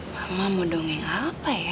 mama mau dongeng apa ya